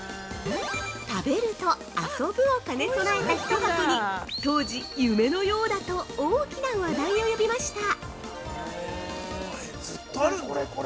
食べると遊ぶを兼ね備えた１箱に当時、夢のようだ！と大きな話題を呼びました。